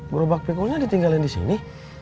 burung bakpi kolnya ditinggalin disini